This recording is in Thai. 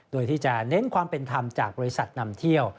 โดยที่จะเน้นความเป็นธรรมจากบริษัทนำเที่ยว